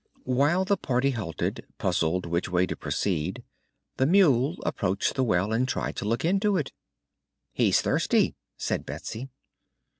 While the party halted, puzzled which way to proceed, the mule approached the well and tried to look into it. "He's thirsty," said Betsy.